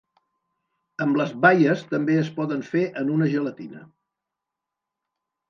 Amb les baies també es poden fer en una gelatina.